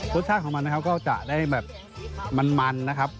รสชาติของมันนะครับก็จะได้แบบมันนะครับ